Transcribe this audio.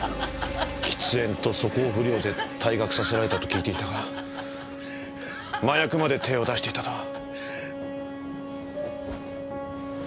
喫煙と素行不良で退学させられたと聞いていたが麻薬まで手を出していたとは。